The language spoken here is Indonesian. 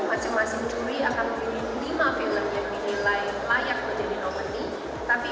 masing masing juri akan memilih lima film yang dinilai layak menjadi novely tapi